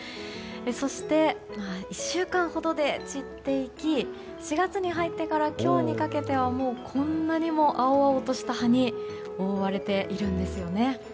そして、１週間ほどで散っていき４月に入ってから今日にかけてはもう、こんなにも青々とした葉に覆われているんですよね。